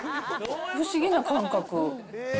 不思議な感覚。